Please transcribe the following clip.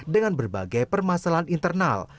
dengan berbagai permasalahan internal